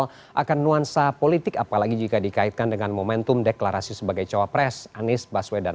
soal akan nuansa politik apalagi jika dikaitkan dengan momentum deklarasi sebagai cawapres anies baswedan